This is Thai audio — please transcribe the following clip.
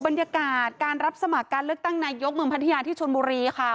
บรรยากาศการรับสมัครการเลือกตั้งนายกเมืองพัทยาที่ชนบุรีค่ะ